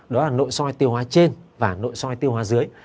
đó là nội soi tiêu hóa trên và nội soi tiêu hóa dưới